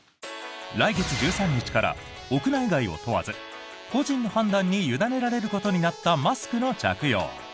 来月１３日から屋内外を問わず個人の判断に委ねられることになったマスクの着用。